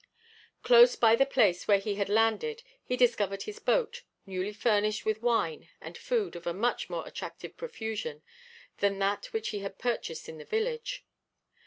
Close by the place where he had landed he discovered his boat, newly furnished with wine and food of a much more attractive profusion than that which he had purchased in the village.